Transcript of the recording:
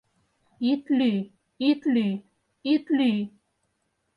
Ит лӱй, ит лӱй, ит лӱй!